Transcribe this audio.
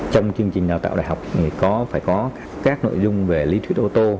trong chương trình đào tạo đại học thì có phải có các nội dung về lý thuyết ô tô